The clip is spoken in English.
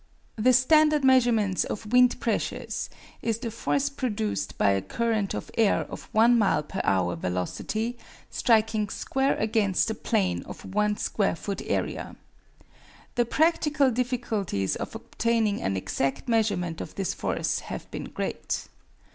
The standard measurements of wind pressures is the force produced by a current of air of one mile per hour velocity striking square against a plane of one square foot area. The practical difficulties of obtaining an exact measurement of this force have been great.